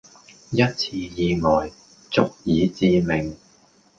一次意外、足以致命